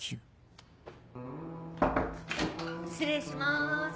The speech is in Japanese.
失礼します。